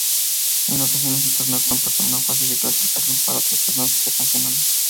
En ocasiones el torneo contó como una fase de clasificación para otros torneos internacionales.